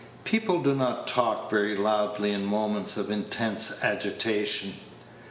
People do not talk very loudly in moments of intense agitation.